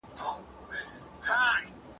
ښوونه د اشرافو لپاره وه.